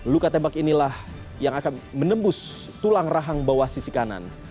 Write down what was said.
luka tembak inilah yang akan menembus tulang rahang bawah sisi kanan